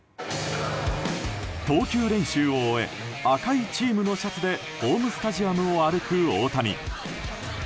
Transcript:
投球練習を終え赤いチームのシャツでホームスタジアムを歩く大谷。